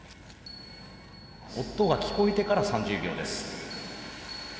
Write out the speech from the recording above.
音が聞こえてから３０秒です。